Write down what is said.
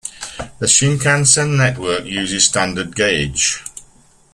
The shinkansen network uses standard gauge.